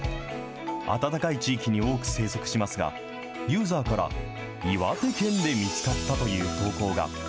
暖かい地域に多く生息しますが、ユーザーから、岩手県で見つかったという投稿が。